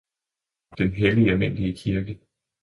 den hellige, almindelige kirke